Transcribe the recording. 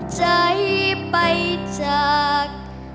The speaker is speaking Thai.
ใจไปจาก